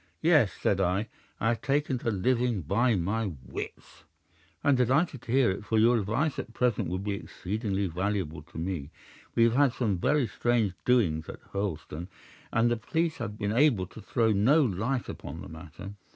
"'Yes,' said I, 'I have taken to living by my wits.' "'I am delighted to hear it, for your advice at present would be exceedingly valuable to me. We have had some very strange doings at Hurlstone, and the police have been able to throw no light upon the matter.